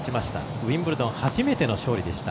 ウィンブルドン初めての勝利でした。